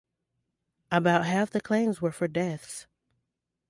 About half the claims were for deaths.